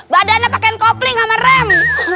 badannya pakaian kopling sama rem